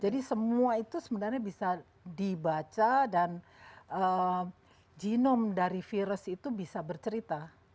jadi semua itu sebenarnya bisa dibaca dan genome dari virus itu bisa bercerita